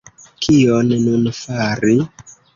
Kion nun fari?